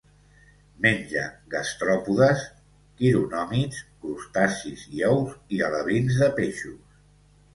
Menja gastròpodes, quironòmids, crustacis i ous i alevins de peixos.